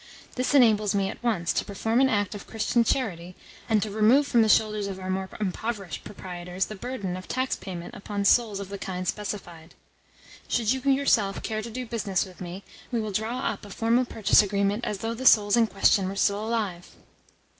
This enables me at once to perform an act of Christian charity and to remove from the shoulders of our more impoverished proprietors the burden of tax payment upon souls of the kind specified. Should you yourself care to do business with me, we will draw up a formal purchase agreement as though the souls in question were still alive."